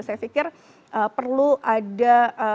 saya pikir perlu ada